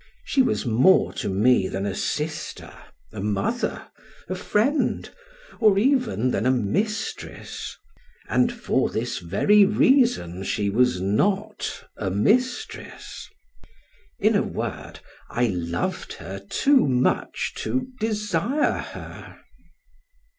She was more to me than a sister, a mother, a friend, or even than a mistress, and for this very reason she was not a mistress; in a word, I loved her too much to desire her.